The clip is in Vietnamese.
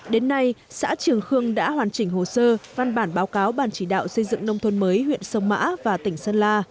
đến nay xã trường khương đã hoàn chỉnh hồ sơ văn bản báo cáo ban chỉ đạo xây dựng nông thôn mới huyện sông mã và tỉnh sơn la